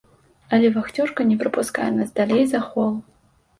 Але вахцёрка не прапускае нас далей за хол.